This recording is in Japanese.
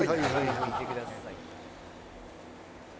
吹いてください。